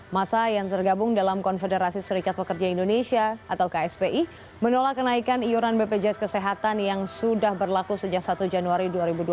masa yang tergabung dalam konfederasi serikat pekerja indonesia atau kspi menolak kenaikan iuran bpjs kesehatan yang sudah berlaku sejak satu januari dua ribu dua puluh